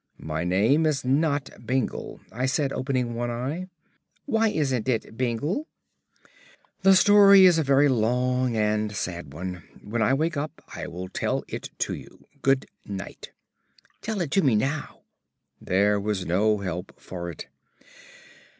"My name is not Bingle," I said, opening one eye. "Why isn't it Bingle?" "The story is a very long and sad one. When I wake up I will tell it to you. Good night." "Tell it to me now." There was no help for it.